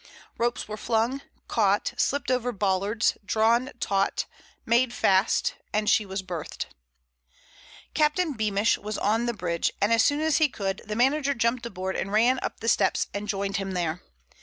Ropes were flung, caught, slipped over bollards, drawn taut, made fast—and she was berthed. Captain Beamish was on the bridge, and as soon as he could, the manager jumped aboard and ran up the steps and joined him there.